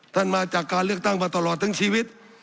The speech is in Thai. มาจากการเลือกตั้งมาตลอดทั้งชีวิต